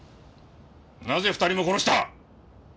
なぜ２人も殺した！